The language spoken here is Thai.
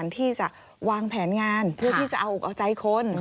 ทางแผนงานถึงจะออกอาจใจคน